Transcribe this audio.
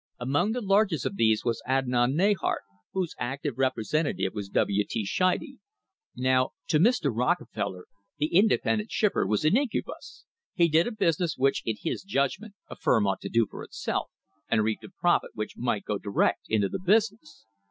Among the largest of these was Adnah Neyhart, whose active repre _ sentative was W. T. Scheide. Now to Mr. Rockefeller the independent shipper was an incubus ; he did a business which, (in his judgment, a firm ought to do for itself, and reaped a profit which might go direct into the business.